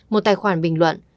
một tài khoản bình luận